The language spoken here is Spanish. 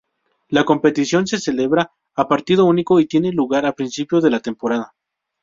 La competición se celebra a partido único y tiene lugar a principio de temporada.